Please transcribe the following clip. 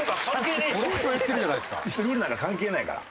ルールなんか関係ないから。